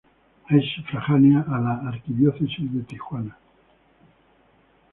Es sufragánea a la Arquidiócesis de Tijuana.